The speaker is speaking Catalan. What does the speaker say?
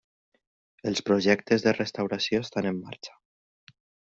Els projectes de restauració estan en marxa.